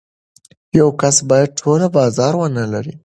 یو کس باید ټول بازار ونلري.